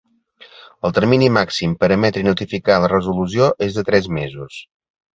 El termini màxim per emetre i notificar la resolució és de tres mesos.